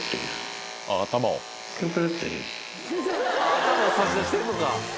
頭を差し出してんのか。